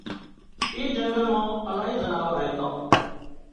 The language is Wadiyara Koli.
اي جنڳل مان الاهي زناور ريتان